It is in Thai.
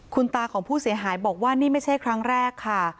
คุณตาของผู้เสียหายบอกว่านี่ไม่ใช่ครั้งแรกค่ะ